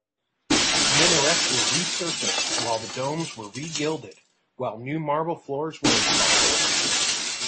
Minarets were resurfaced while the domes were re-gilded, while new marble floors were installed.